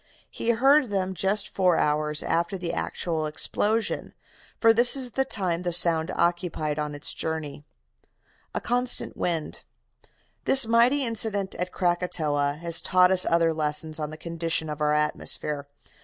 He had heard them just four hours after the actual explosion, for this is the time the sound occupied on its journey. A CONSTANT WIND "This mighty incident at Krakatoa has taught us other lessons on the constitution of our atmosphere.